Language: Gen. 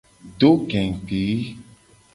Do gegbe.